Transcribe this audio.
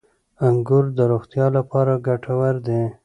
• انګور د روغتیا لپاره ډېر ګټور دي.